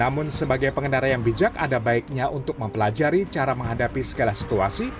namun sebagai pengendara yang bijak ada baiknya untuk mempelajari cara menghadapi segala situasi